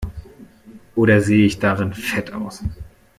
Oder sehe ich darin fett aus?